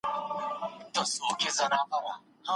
د املا تمرین د پښتو ژبي د بډایني لامل ګرځي.